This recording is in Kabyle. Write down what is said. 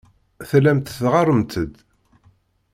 Tellamt teɣɣaremt-d.